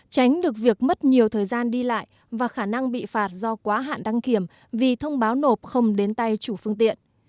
tránh được việc mất nhiều thời gian đi lại và khả năng bị phạt do quá hạn đăng kiểm vì thông báo nộp không đến tay chủ phương tiện